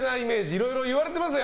いろいろ言われています。